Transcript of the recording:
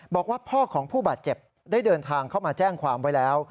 บอกว่าพ่อของผู้บาดเจ็บได้เดินทางเข้ามาแจ้งความไว้แล้ว